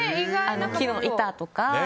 木の板とか。